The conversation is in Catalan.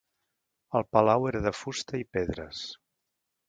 El palau era de fusta i pedres.